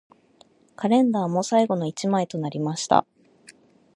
カレンダーも最後の一枚となりました